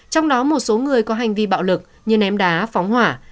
trong đó một số người có hành vi bạo lực như ném đá phóng hỏa